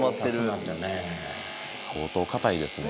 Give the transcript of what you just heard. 相当硬いですね。